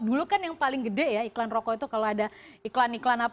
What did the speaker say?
dulu kan yang paling gede ya iklan rokok itu kalau ada iklan iklan apa